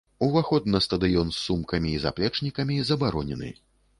Уваход на стадыён з сумкамі і заплечнікамі забаронены.